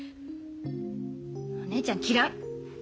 お姉ちゃん嫌い。